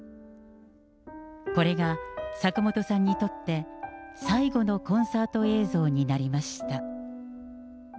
これが坂本さんにとって最後のコンサート映像になりました。